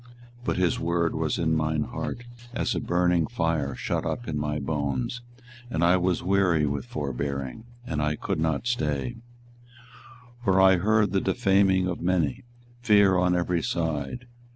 But his word was in mine heart as a burning fire shut up in my bones, and I was weary with forbearing, and I could not stay. 24:020:010 For I heard the defaming of many, fear on every side.